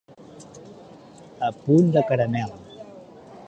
A punt de caramel.